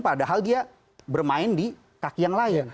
padahal dia bermain di kaki yang lain